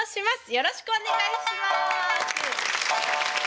よろしくお願いします。